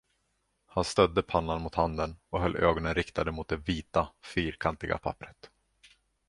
Han stödde pannan mot handen och höll ögonen riktade på det vita, fyrkantiga papperet.